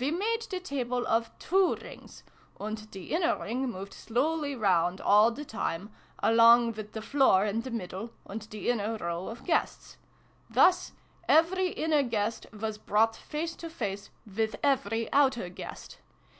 We made the table of two rings ; and the inner ring moved slowly round, all the time, along with the floor in the middle and the inner row of guests. Thus every inner guest was brought face to face with every outer guest.